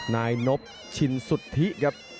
นายนบชินสุทธิครับ